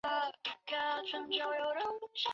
本县县治为托灵顿。